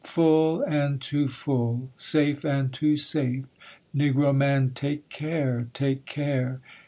'Full, and too full; safe, and too safe; Negro man, take care, take care.